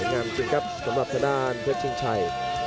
เล่นงานจริงขึ้นครับสำหรับศาสนาเพชรจิงชัย